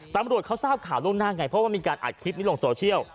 ตำรวจเขาทราบข่าวล่วงหน้าไงเพราะว่ามีการอัดคลิปนี้ลงโซเชียล